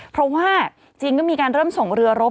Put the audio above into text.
เพราะว่าจริงก็มีการเริ่มส่งเรือรบ